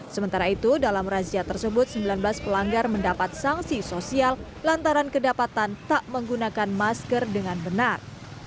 sementara itu dalam razia tersebut sembilan belas pelanggar mendapat sanksi sosial lantaran kedapatan tak menggunakan masker dengan benar